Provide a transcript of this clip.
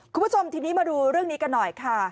คุณผู้ชมทีนี้มาดูเรื่องนี้กันหน่อยค่ะ